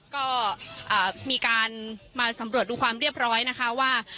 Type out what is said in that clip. ก็มีการมาสำรวจดูความเรียบร้อยนะคะว่า